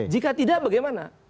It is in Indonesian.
jika tidak bagaimana